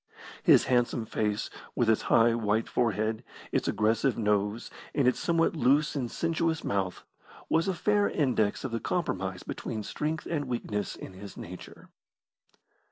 His handsome face, with its high, white forehead, its aggressive nose, and its somewhat loose and sensuous mouth, was a fair index of the compromise between strength and weakness in his nature.